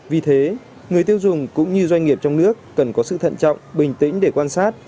vì thế người tiêu dùng cũng như doanh nghiệp trong nước cần có sự thận trọng bình tĩnh để quan sát